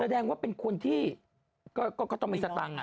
แสดงว่าเป็นคนที่ก็ต้องมีสตังค์